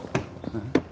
うん？